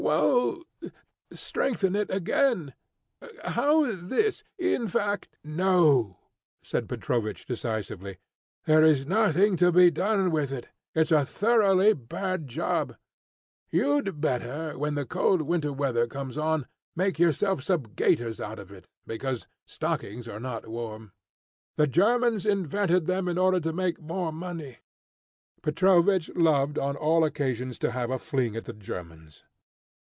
"Well, strengthen it again. How this, in fact " "No," said Petrovich decisively, "there is nothing to be done with it. It's a thoroughly bad job. You'd better, when the cold winter weather comes on, make yourself some gaiters out of it, because stockings are not warm. The Germans invented them in order to make more money." Petrovich loved on all occasions to have a fling at the Germans.